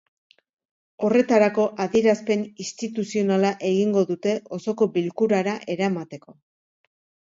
Horretarako, adierazpen instituzionala egingo dute osoko bilkurara eramateko.